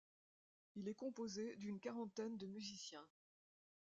Il est composé d'une quarantaine de musiciens.